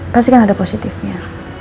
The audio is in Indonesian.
pasti kan ada positifnya